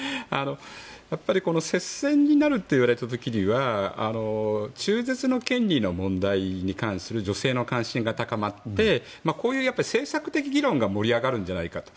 接戦になるといわれた時には中絶の権利の問題に関する女性の関心が高まってこういう政策的議論が盛り上がるんじゃないかと。